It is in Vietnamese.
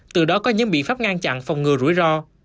từ đó có những biện pháp ngăn chặn phòng ngừa rủi ro